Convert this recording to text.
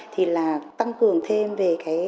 thì là tăng cường thêm về cái